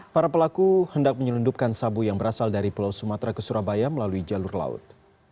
para pelaku hendak menyelundupkan sabu yang berasal dari pulau sumatera ke surabaya melalui jalur laut